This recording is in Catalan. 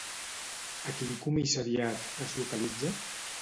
A quin comissariat es localitza?